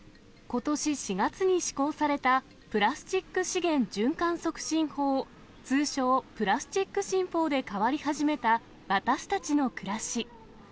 ことし４月に施行されたプラスチック資源循環促進法、通称、プラスチック新法で変わり始めた私たちの暮らし。